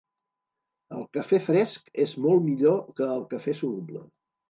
El cafè fresc és molt millor que el cafè soluble.